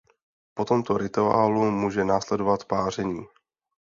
Po tomto rituálu může následovat páření.